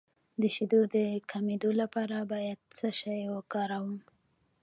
د شیدو د کمیدو لپاره باید څه شی وکاروم؟